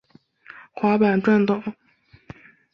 滑板撞到行人或骑自行车的人后会使之受伤甚至死亡。